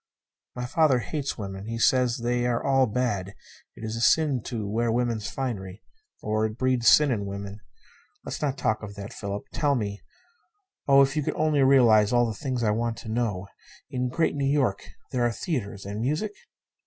"My father hates women. He says they are all bad. It is a sin to wear woman's finery; or it breeds sin in women. Let's not talk of that. Philip, tell me oh, if you could only realize all the things I want to know. In Great New York, there are theatres and music?"